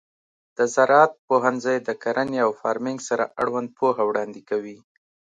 د زراعت پوهنځی د کرنې او فارمینګ سره اړوند پوهه وړاندې کوي.